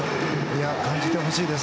感じてほしいです。